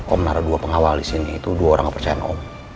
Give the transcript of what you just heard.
om naro dua pengawal disini itu dua orang yang percaya sama om